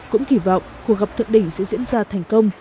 cũng kỳ vọng cuộc gặp thượng đỉnh sẽ diễn ra thành công